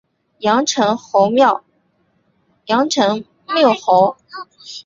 阳城缪侯。